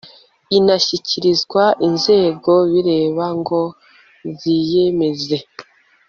inashyikirizwa inzego bireba ngo ziyemeze